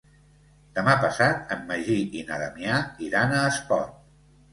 Demà passat en Magí i na Damià iran a Espot.